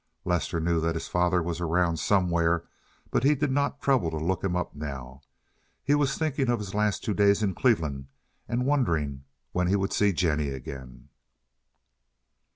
Lester knew that his father was around somewhere, but he did not trouble to look him up now. He was thinking of his last two days in Cleveland and wondering when he would see Jennie again.